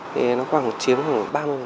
thì nó khoảng chiếm khoảng ba mươi